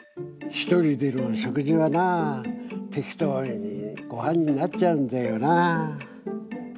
ひとりでの食事はな適当ごはんになっちゃうんだよな。